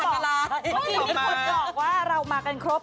เมื่อกี้ที่พูดบอกว่าเรามากันครบ